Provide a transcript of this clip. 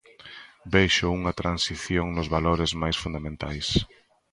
Vexo unha transición nos valores máis fundamentais.